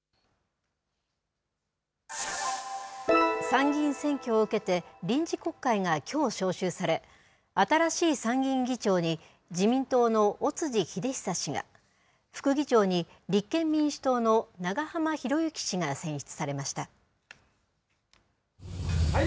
参議院選挙を受けて、臨時国会がきょう召集され、新しい参議院議長に自民党の尾辻秀久氏が、副議長に立憲民主党の長浜博行氏が選出されました。